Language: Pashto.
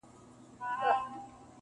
o پور د محبت غيچي ده!